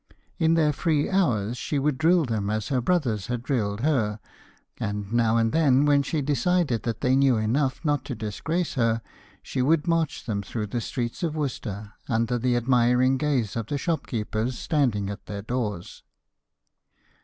In their free hours, she would drill them as her brothers had drilled her, and now and then when she decided that they knew enough not to disgrace her, she would march them through the streets of Worcester, under the admiring gaze of the shopkeepers standing at their doors.